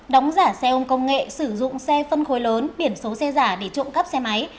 đóng giả xe ôm công nghệ sử dụng xe phân khối lớn biển số xe giả để trộm cắp xe máy